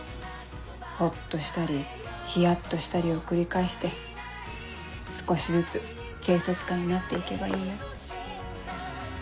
ほっとしたりヒヤっとしたりを繰り返して少しずつ警察官になって行けばいいよ。